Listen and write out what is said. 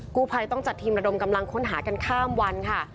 กู้ภัยต้องจัดทีมระดมกำลังค้นหากันข้ามวันค่ะ